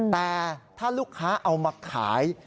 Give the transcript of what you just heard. แต่ถ้าลูกค้าเอามาขาย